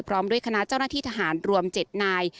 พร้อมด้วยคณะเจ้าหน้าที่ทหารรวม๗นาย